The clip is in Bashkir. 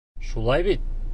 Шулай бит!